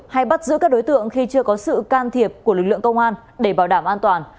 hay bắt giữ các đối tượng khi chưa có sự can thiệp của lực lượng công an để bảo đảm an toàn